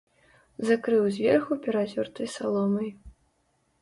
Закрыў зверху перацёртай саломай.